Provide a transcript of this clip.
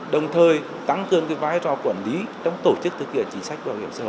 đồng thời tăng cường vai trò quản lý trong tổ chức thực hiện chính sách bảo hiểm xã hội